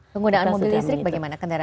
penggunaan mobil listrik bagaimana kendaraan